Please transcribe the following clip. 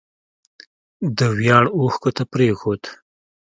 د ویاړ اوښکو ته پرېښود